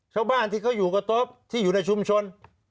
ชาวบ้านที่เขาอยู่กับโต๊ะที่อยู่ในชุมชน